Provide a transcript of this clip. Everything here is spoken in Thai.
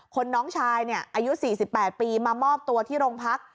คนน้องชายเนี้ยอายุสี่สิบแปดปีมามอบตัวที่โรงพัก